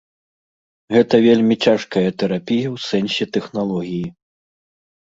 Гэта вельмі цяжкая тэрапія ў сэнсе тэхналогіі.